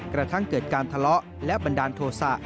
กระทั่งเกิดการทะเลาะและบันดาลโทษะ